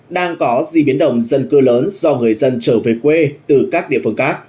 đang có di biến đồng dân cư lớn do người dân trở về quê từ các địa phương khác